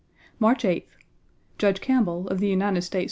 March 8th. Judge Campbell, 1 of the United States 1.